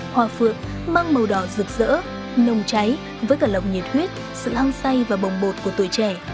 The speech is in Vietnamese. hoa phượng mang màu đỏ rực rỡ nồng cháy với cả lòng nhiệt huyết sự hăng say và bồng bột của tuổi trẻ